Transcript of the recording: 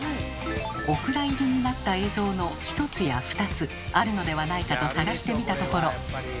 お蔵入りになった映像の１つや２つあるのではないかと探してみたところ。